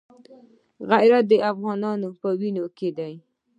غیرت د افغانانو په وینو کې دی.